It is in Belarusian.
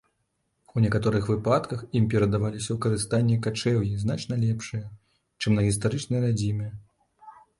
У некаторых выпадках ім перадаваліся ў карыстанне качэўі значна лепшыя, чым на гістарычнай радзіме.